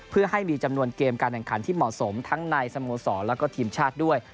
เพื่อให้มีจำนวนเกมการแข่งขันที่เหมาะสมทั้งในสโมสรแล้วก็ทีมชาติด้วย